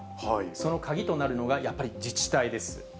その鍵となるのが、やっぱり自治体です。